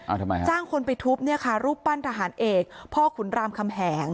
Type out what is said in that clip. เอาทำไมฮะจ้างคนไปทุบเนี่ยค่ะรูปปั้นทหารเอกพ่อขุนรามคำแหง